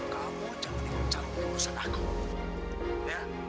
kamu jangan lupa cari kebosan aku